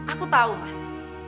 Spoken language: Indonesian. aku tahu mas